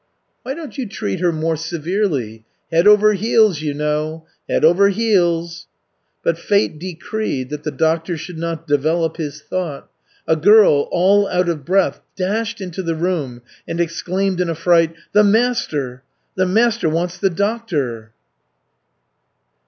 "Why don't you treat her more severely? Head over heels, you know, head over heels." But fate decreed that the doctor should not develop his thought. A girl, all out of breath, dashed into the room and exclaimed in a fright: "The master! The master wants the doctor."